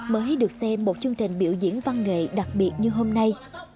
mới được xem một chương trình biểu diễn văn nghệ đặc biệt như hôm nay